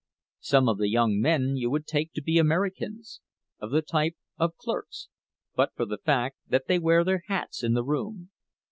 Some of the young men you would take to be Americans, of the type of clerks, but for the fact that they wear their hats in the room.